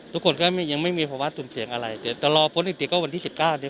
ทุกคนก็ไม่ยังไม่มีภาวะสูงเสียงอะไรเดี๋ยวแต่รอพนักงานอีกเดี๋ยวก็วันที่สิบก้านเนี้ย